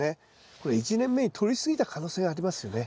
これ１年目にとりすぎた可能性がありますよね。